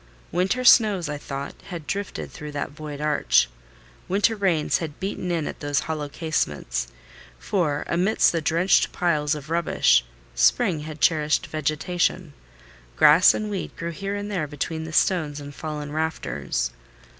Winter snows, I thought, had drifted through that void arch, winter rains beaten in at those hollow casements; for, amidst the drenched piles of rubbish, spring had cherished vegetation: grass and weed grew here and there between the stones and fallen rafters.